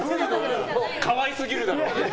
可愛すぎるだろ。